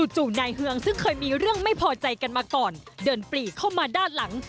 จู่นายเฮืองซึ่งเคยมีเรื่องไม่พอใจกันมาก่อนเดินปลีเข้ามาด้านหลัง